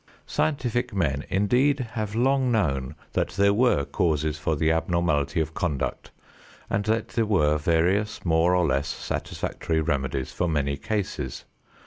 Scientific men indeed have long known that there were causes for the abnormality of conduct and that there were various more or less satisfactory remedies for many cases.